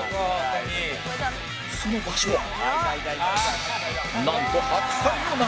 その場所はなんと白菜の中